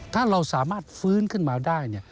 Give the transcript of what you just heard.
ถ้าเราสามารถฟื้นขึ้นมาได้